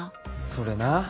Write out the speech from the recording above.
それな。